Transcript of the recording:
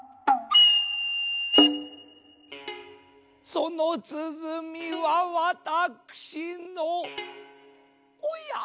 そのつづみはわたくしのおや。